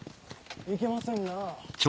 いけませんな。